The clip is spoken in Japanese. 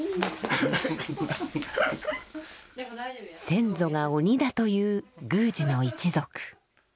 先祖が鬼だという宮司の一族。